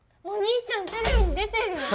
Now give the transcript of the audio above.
お兄ちゃんテレビに出てる！